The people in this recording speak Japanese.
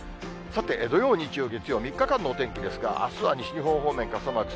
さて、土曜、日曜、月曜、３日間のお天気ですが、あすは西日本方面、傘マーク。